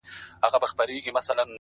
زه نو بيا څنگه مخ در واړومه-